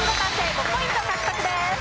５ポイント獲得です。